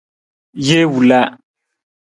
Jee wila.